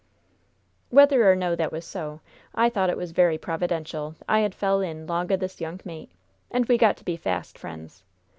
"Whether or no that was so, I thought it was very providential I had fell in long o' this young mate, and we got to be fast friends.